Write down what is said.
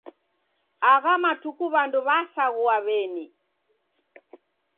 Agha matuku w'andu w'asaghua w'eni.